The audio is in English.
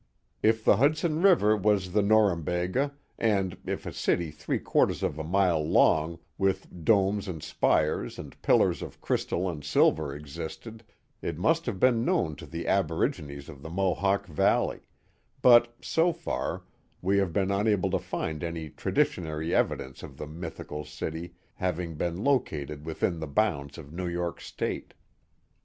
If the Hudson River was the Norumbega, and if a city three quarters of a mile long, with domes and spires and pil lars of crystal and silver existed, it must have been known to the Aborigines of the Mohawk Valley, but, so far, we have been unable to find any traditionary evidence of the mythical city having been located within the bounds of New York State.